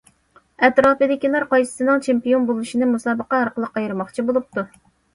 ئەتراپىدىكىلەر قايسىسىنىڭ چېمپىيون بولۇشىنى مۇسابىقە ئارقىلىق ئايرىماقچى بولۇپتۇ.